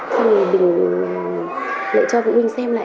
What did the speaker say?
xong rồi mình lại cho phụ huynh xem lại